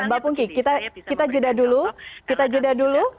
mbak pungki kita jeda dulu kita jeda dulu